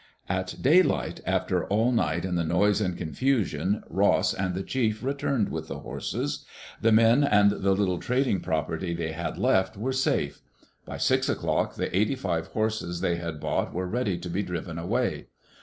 At daylight, after all night in the noise and confusion, Ross and the chief returned with the horses. The men and the little trading property they had left were safe. By six o'clock the eighty five horses they had bought were ready to be driven away.